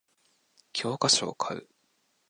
教科書を買う